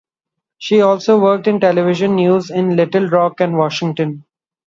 She also worked in television news in Little Rock and Washington.